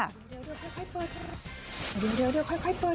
เดี๋ยวค่อยเปิด